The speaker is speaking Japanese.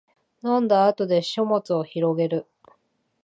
飲んだ後で書物をひろげる